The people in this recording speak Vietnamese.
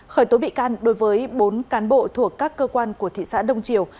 khởi tố bị can đối với bốn cán bộ thuộc các cơ quan của thị xã đông triều